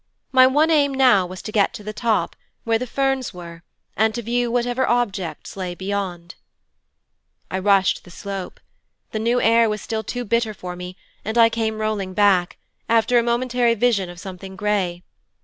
My one aim now was to get to the top, where the ferns were, and to view whatever objects lay beyond. 'I rushed the slope. The new air was still too bitter for me and I came rolling back, after a momentary vision of something grey.